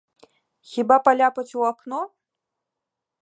Хіба паляпаць у акно?